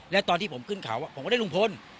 แล้วตอนที่ผมขึ้นเขาผมก็ได้ลุงพล